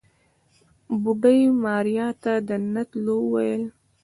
بوډۍ ماريا ته د نه تلو وويل.